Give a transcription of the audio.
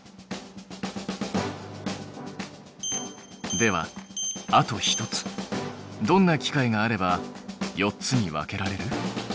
ではあと一つどんな機械があれば４つに分けられる？